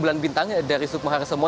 bulan bintang dari sukmohar semo